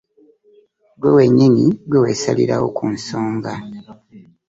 Ggwe kennyini ggwe weesalirawo ku nsonga.